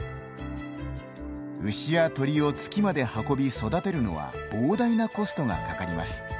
牛やトリを月まで運び育てるのは膨大なコストがかかります。